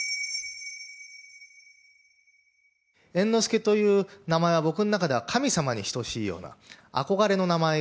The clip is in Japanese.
猿之助という名前は、僕の中では神様に等しいような、憧れの名前。